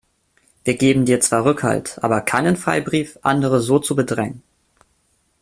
Wir geben dir zwar Rückhalt, aber keinen Freibrief, andere so zu bedrängen.